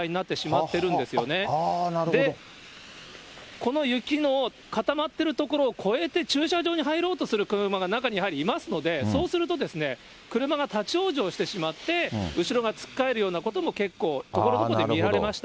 この雪の固まっている所を越えて、駐車場に入ろうとする車が中にやはりいますので、そうすると、車が立往生してしまって、後ろがつっかえるようなことも、結構、ところどころで見られました。